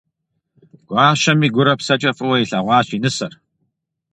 Гуащэми - гурэ псэкӀэ фӀыуэ илъэгъуащ и нысэр.